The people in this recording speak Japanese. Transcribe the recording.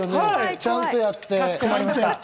ちゃんとやって。